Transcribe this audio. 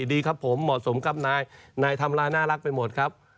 ดีครับผมเหมาะสมกับนายนายทำลายน่ารักไปหมดครับ